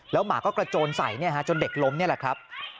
หมาก็กระโจนใส่จนเด็กล้มนี่แหละครับ